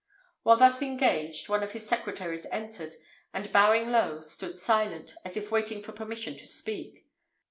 While thus engaged, one of his secretaries entered, and bowing low stood silent, as if waiting for permission to speak.